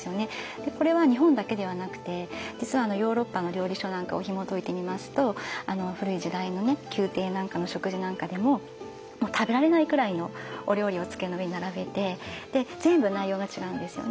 これは日本だけではなくて実はヨーロッパの料理書なんかをひもといてみますと古い時代の宮廷なんかの食事なんかでも食べられないくらいのお料理を机の上に並べてで全部内容が違うんですよね。